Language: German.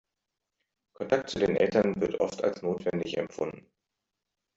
Kontakt zu den Eltern wird oft als notwendig empfunden.